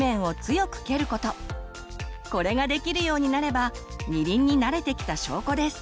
これができるようになれば二輪に慣れてきた証拠です！